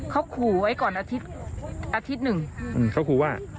เขาขู่ไว้ก่อนอาทิตย์อาทิตย์หนึ่งเขาขู่ว่า